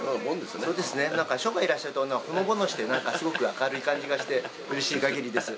そうですね、師匠がいらっしゃるとほのぼのして、なんかすごく明るい感じがして、うれしいかぎりです。